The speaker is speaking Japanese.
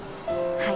はい！